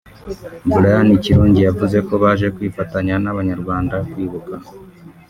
Brian Kirungi yavuze ko baje kwifatanya n’abanyarwanda kwibuka